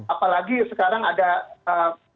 apalagi sekarang ada kasus baru ya ada kaitannya sama cacar air